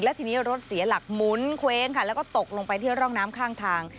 ทีนี้รถเสียหลักหมุนเคว้งค่ะแล้วก็ตกลงไปที่ร่องน้ำข้างทาง